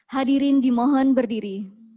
hadirin dimohon berdiri